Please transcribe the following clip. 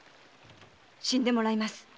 死んでもらいます。